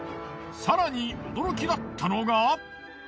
更に驚きだったのが。